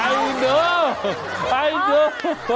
ไอ้เดิ้ลไอ้เดิ้ล